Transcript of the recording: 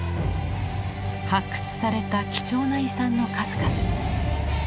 発掘された貴重な遺産の数々。